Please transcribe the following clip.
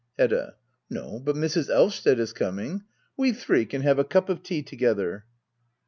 Hedda. No, but Mrs. Elvsted is coming. We three can have a cup of tea together.